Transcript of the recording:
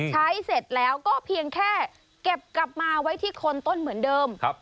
เสร็จแล้วก็เพียงแค่เก็บกลับมาไว้ที่คนต้นเหมือนเดิม